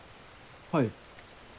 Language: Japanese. はい。